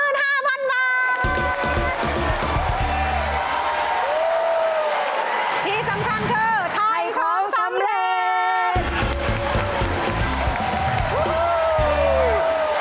ที่สำคัญคือถ่ายของสำเร็จ